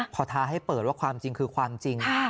พอท้าให้เปิดว่าความจริงคือความจริง